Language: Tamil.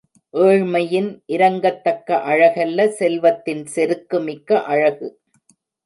ஏழ்மையின் இரங்கத் தக்க அழகல்ல செல்வத்தின் செருக்கு மிக்க அழகு.